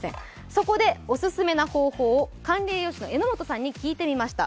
そこでお勧めな方法を管理栄養士の榎本さんに聞きました。